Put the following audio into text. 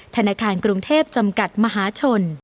ธนาคารกรุงเทพจำกัดมหาชน